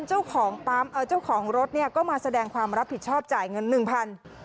เจ้าของปั๊มเจ้าของรถเนี่ยก็มาแสดงความรับผิดชอบจ่ายเงินหนึ่งพัน